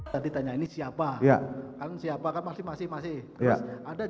jangan sampai lihat video ini